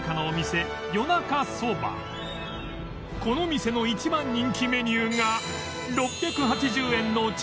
この店の一番人気メニューが